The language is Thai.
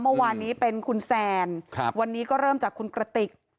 เมื่อวานนี้เป็นคุณแซนวันนี้ก็เริ่มจากคุณกระติก